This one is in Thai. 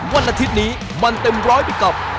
วันอาทิตย์นี้มันเต็มร้อยไปกับ